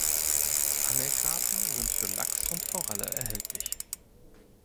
Angelkarten sind für Lachs und Forelle erhältlich.